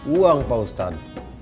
uang pak ustad